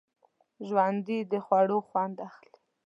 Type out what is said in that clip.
ژوندي د خوړو خوند اخلي